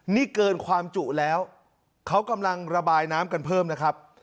นี่เกินความจุแล้วเขากำลังระบายน้ำกันเพิ่มนะครับ